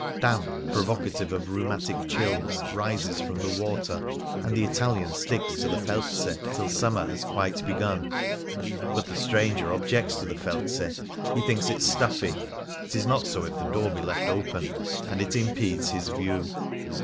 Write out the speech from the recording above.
Damp, provocative of rheu matic chills, rises from the water, and the Italian sticks to the felze till summer has quite begun. But the stranger objects to the felze; he thinks 153 Things Seen in Venice it stuffy — it is not so if the door be left open — and it impedes his view.